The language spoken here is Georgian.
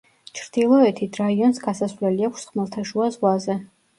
ჩრდილოეთით, რაიონს გასასვლელი აქვს ხმელთაშუა ზღვაზე.